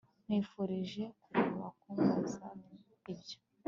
Nkwifurije kureka kumbaza ibyo